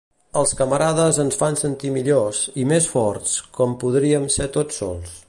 Els camarades ens fan sentir millors, i més forts, com podríem ser tots sols.